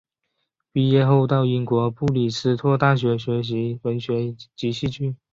毕业后到英国布里斯托大学学习文学及戏剧。